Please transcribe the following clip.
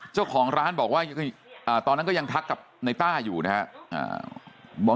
เจ้าของร้านบอกว่าตอนนั้นก็ยังทักกับในต้าอยู่นะครับ